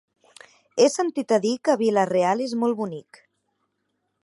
He sentit a dir que Vila-real és molt bonic.